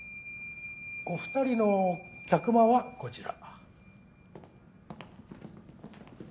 お２人の客間はこちら。